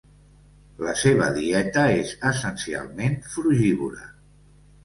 La seva dieta és essencialment frugívora.